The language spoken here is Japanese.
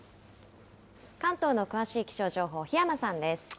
関東の詳しい気象情報、檜山さんです。